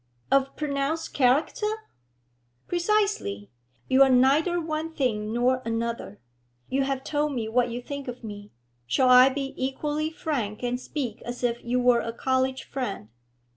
'Of pronounced character?' 'Precisely. You are neither one thing nor another. You have told me what you think of me; shall I be equally frank and speak as if you were a college friend?